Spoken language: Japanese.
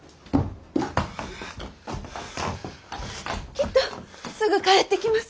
きっとすぐ帰ってきます。